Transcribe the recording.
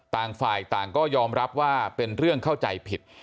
ต่างฝ่ายต่างก็ยอมรับว่าเป็นเรื่องเข้าใจผิด